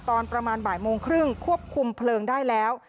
ตอนประมาณบ่ายโมงครึ่งควบคุมเพลิงได้แล้ว